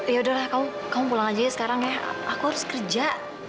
yaudah lah kamu kamu pulang aja ya sekarang ya aku harus kerja